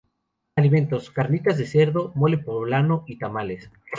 Alimentos: Carnitas de cerdo, mole poblano y tamales.